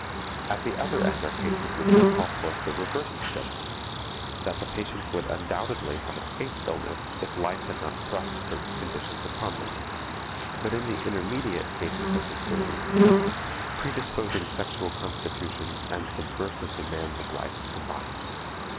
At the other end are cases which would call forth the reversed judgment, that the patients would undoubtedly have escaped illness if life had not thrust certain conditions upon them. But in the intermediate cases of the series, predisposing sexual constitution and subversive demands of life combine.